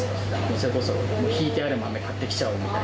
それこそ、引いてある豆買ってきちゃおうみたいな。